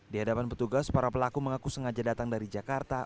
di hadapan petugas para pelaku mengaku sengaja datang dari jakarta